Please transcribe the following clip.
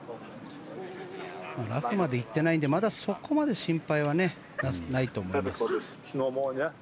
ラフまで行ってないのでそこまで心配はないと思います。